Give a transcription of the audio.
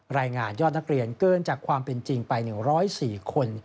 รายงานยอดนักเรียนเกินจากความเป็นจริงไป๑๐๔คน